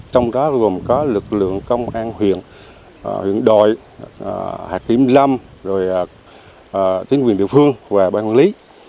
trong đó gồm có lực lượng công an huyện huyện đội hạ kiểm lâm tuyến quyền địa phương và ban quân lý